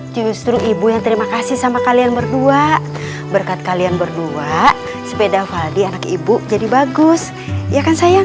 justru ibu yang terima kasih sama kalian berdua berkat kalian berdua sepeda valdi anak ibu jadi bagus ya kan sayang